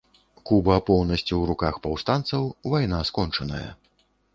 Куба поўнасцю ў руках паўстанцаў, вайна скончаная.